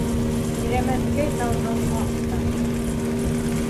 Кирәмәткәй тауҙың аҡ ташы